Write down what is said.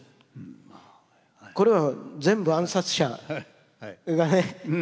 これは全部暗殺者がね